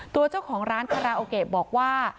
ตัวเจ้าของร้านคาราโอเกะบอกว่า